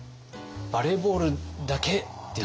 「バレーボールだけ！」っていう。